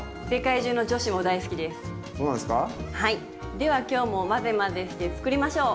では今日も混ぜ混ぜして作りましょう。